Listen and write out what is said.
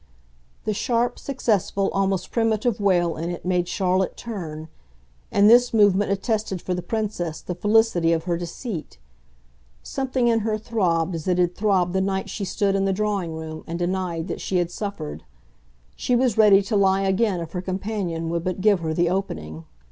The sharp, successful, almost primitive wail in it made Charlotte turn, and this movement attested for the Princess the felicity of her deceit. Something in her throbbed as it had throbbed the night she stood in the drawing room and denied that she had suffered. She was ready to lie again if her companion would but give her the opening.